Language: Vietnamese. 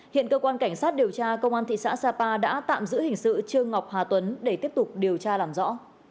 hiện cơ quan cảnh sát điều tra công an thị xã sapa đã tạm giữ hình sự trương ngọc hà tuấn để tiếp tục điều tra làm rõ